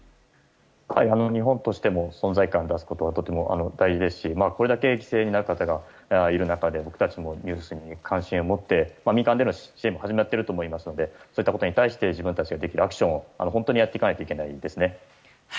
日本としても存在感を出すことがとても大事ですしこれだけ犠牲になる方がいる中で僕たちもニュースに関心を持って民間での支援も始まっていると思いますのでそういったことに対して自分たちができるアクションを本当にやっていかないといけないですね。